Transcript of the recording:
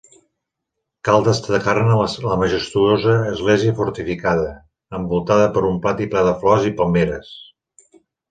Cal destacar-ne la majestuosa església fortificada, envoltada per un pati ple de flors i palmeres.